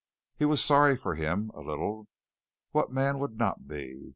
He was sorry for him a little what man would not be?